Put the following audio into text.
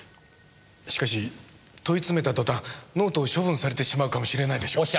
しかし問いつめた途端ノートを処分されてしまうかもしれないでしょう？